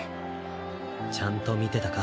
ちゃんと見てたか？